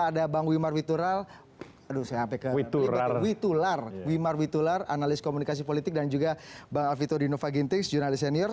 ada bang wimar witular analis komunikasi politik dan juga bang alvito dinova gintix jurnalis senior